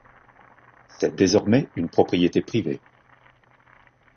C'est désormais une propriété privée.